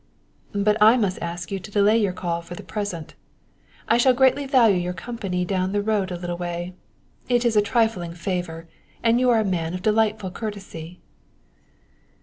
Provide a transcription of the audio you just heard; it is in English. "But I must ask you to delay your call for the present. I shall greatly value your company down the road a little way. It is a trifling favor, and you are a man of delightful courtesy."